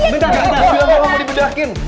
bener gak mau dibedakin